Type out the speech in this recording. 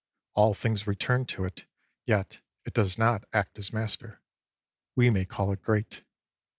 All things return to it, yet it does not act as master. We may call it great.